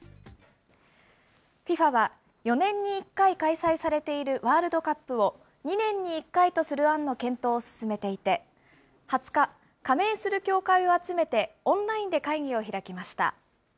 ＦＩＦＡは４年に１回開催されているワールドカップを、２年に１回とする案の検討を進めていて、２０日、加盟する協会を集めてオンラインで会議を開きました。